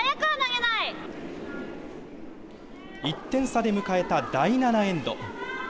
１点差で迎えた第７エンド。